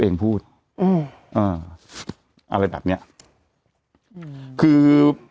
แต่หนูจะเอากับน้องเขามาแต่ว่า